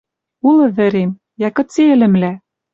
Улы вӹрем... Йӓ, кыце ӹлӹмлӓ